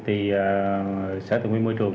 thì sở tổng nguyên môi trường